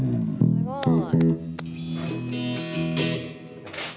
すごい。